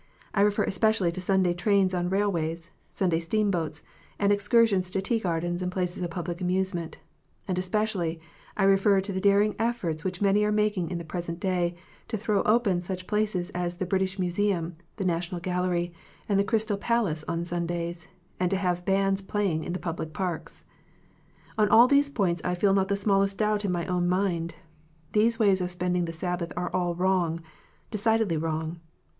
I refer especially to Sunday trains on railways, Sunday steamboats, and excursions to tea gardens and places of public amusement ; and especially I refer to the daring efforts which many are making in the present day, to throw open such places as the British Museum, the National Gallery, and the Crystal Palace on Sundays, and to have bands playing in the public parks. On all these points I feel not the smallest doubt in my own mind. These ways of spending the Sabbath are all wrong, decidedly wrong.